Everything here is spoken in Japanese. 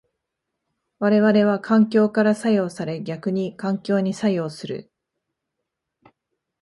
我々は環境から作用され逆に環境に作用する。